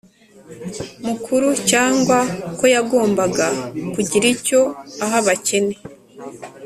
mukuru cyangwa ko yagombaga kugira icyo aha abakene